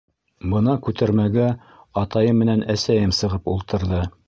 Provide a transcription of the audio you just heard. Бына күтәрмәгә атайым менән әсәйем сығып ултырҙы.